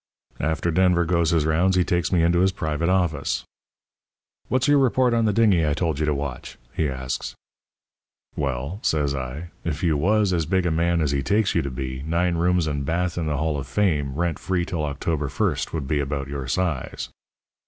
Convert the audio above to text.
"After Denver goes his rounds he takes me into his private office. "'What's your report on the dingy I told you to watch?' he asks. "'Well,' says I, 'if you was as big a man as he takes you to be, nine rooms and bath in the Hall of Fame, rent free till October 1st, would be about your size.'